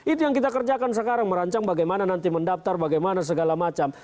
itu yang kita kerjakan sekarang merancang bagaimana nanti mendaftar bagaimana segala macam